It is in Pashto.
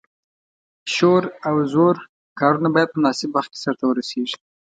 شور او زور کارونه باید په مناسب وخت کې سرته ورسیږي.